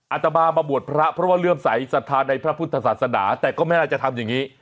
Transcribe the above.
อาตมามาบวชพระเพราะว่าเลื่อมใสสัทธาในพระพุทธศาสนาแต่ก็ไม่น่าจะทำอย่างนี้